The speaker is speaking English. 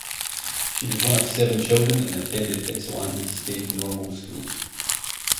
She was one of seven children and attended Ypsilanti State Normal School.